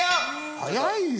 早いよ。